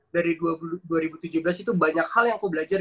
dari dua ribu tujuh belas itu banyak hal yang aku belajar